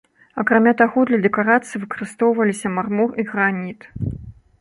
Акрамя таго, для дэкарацый выкарыстоўваліся мармур і граніт.